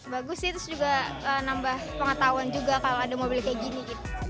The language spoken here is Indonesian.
bagus sih terus juga nambah pengetahuan juga kalau ada mobil kayak gini